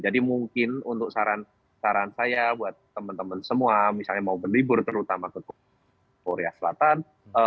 jadi mungkin untuk saran saran saya buat teman teman semua misalnya mau berlibur terutama ke korea selatan